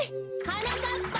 はなかっぱ！